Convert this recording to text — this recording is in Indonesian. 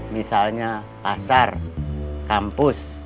misalnya pasar kampus